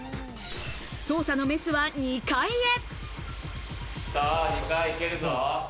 捜査のメスは２階へ。